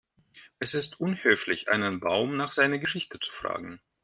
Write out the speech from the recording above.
Es ist unhöflich, einen Baum nach seiner Geschichte zu fragen.